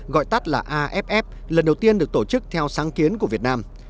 gọi tắt là aff lần đầu tiên được tổ chức theo sáng kiến của việt nam